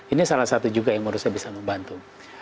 ini salah satu juga yang menurut saya bisa membantu